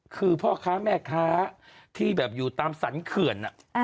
คือพ่อค้าแม่ค้าที่แบบอยู่ตามสรรเขื่อน